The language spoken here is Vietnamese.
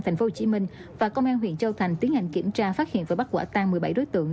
thành phố hồ chí minh và công an huyện châu thành tiến hành kiểm tra phát hiện và bắt quả tăng một mươi bảy đối tượng